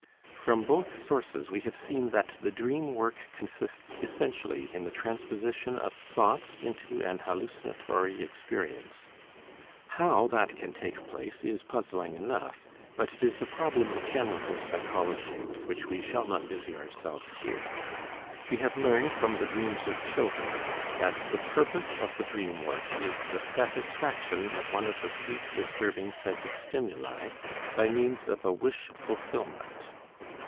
From both sources we have seen that the dream work consists essentially in the transposition of thoughts into an hallucinatory experience. How that can take place is puzzling enough, but it is a problem of general psychology with which we shall not busy ourselves here. We have learned from the dreams of children that the purpose of the dream work is the satisfaction of one of the sleep disturbing psychic stimuli by means of a wish fulfillment.